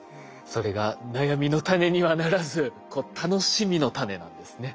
それが悩みの種にはならず楽しみの種なんですね。